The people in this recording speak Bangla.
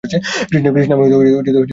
কৃষ্ণা, রাগিনী সমস্যায় পড়েছে।